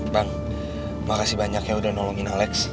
bang makasih banyak ya udah nolongin alex